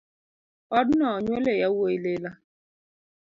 Odno onyuole yawuoi lilo